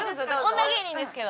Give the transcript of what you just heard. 女芸人ですけど。